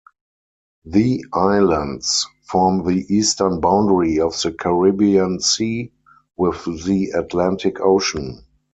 The islands form the eastern boundary of the Caribbean Sea with the Atlantic Ocean.